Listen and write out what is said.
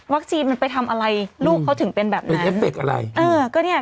วัคซีนมันไปทำอะไรลูกเขาถึงเป็นแบบนั้นเป็นเอฟเฟคอะไรเออก็เนี่ย